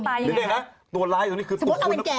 ไม่เอาเลยหรือพี่ครับไม่เอา